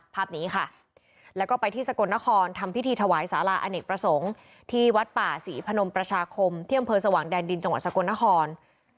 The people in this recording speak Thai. ภาพนี้ค่ะแล้วก็ไปที่สกลนครทำพิธีถวายสาราอเนกประสงค์ที่วัดป่าศรีพนมประชาคมที่อำเภอสว่างแดนดินจังหวัดสกลนคร